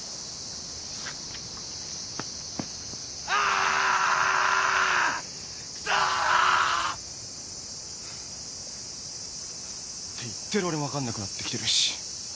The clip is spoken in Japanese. あくそ！！って言ってる俺も分かんなくなってきてるし。